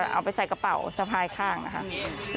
เอาไปใส่กระเป๋าสะพายข้างนะคะ